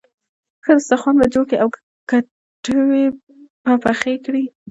ښه دسترخوان به جوړ کړې او کټوۍ به پخه کړې.